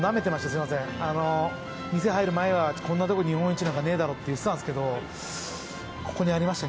すいません店入る前はこんなとこ日本一なんかねえだろって言ってたんですけどここにありました